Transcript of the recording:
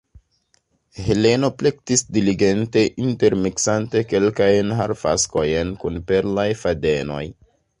Heleno plektis diligente, intermiksante kelkajn harfaskojn kun perlaj fadenoj.